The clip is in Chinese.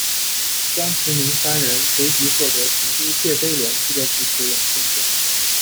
张池明三人随即获得成都谢菲联俱乐部球员身份。